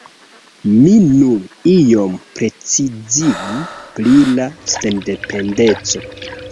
Mi nur iom precizigu pri la sendependeco.